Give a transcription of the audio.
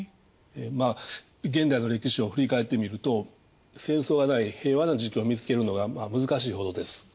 まあ現代の歴史を振り返ってみると戦争がない平和な時期を見つけるのが難しいほどです。